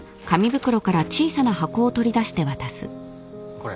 これ。